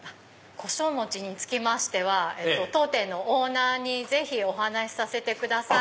胡椒餅につきましては当店のオーナーにぜひお話しさせてください。